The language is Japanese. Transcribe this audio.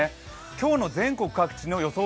今日の全国各地の予想